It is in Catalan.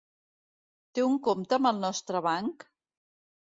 Té un compte amb el nostre banc?